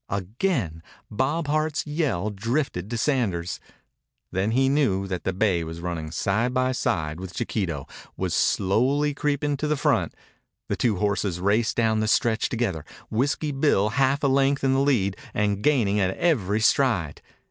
Again Bob Hart's yell drifted to Sanders. Then he knew that the bay was running side by side with Chiquito, was slowly creeping to the front. The two horses raced down the stretch together, Whiskey Bill half a length in the lead and gaining at every stride.